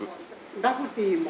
ラフティーも。